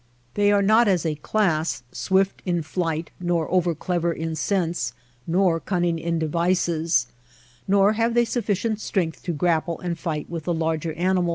They are not as a class swift in flight, nor over clever in sense, nor cunning in devices. Nor have they sufficient strength to grapple and fight with the larger animals. It Habits of the desert deer.